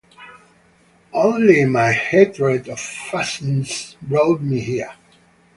Only my hatred of Fascism brought me here.